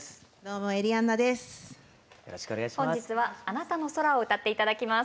本日は「あなたの空」を歌って頂きます。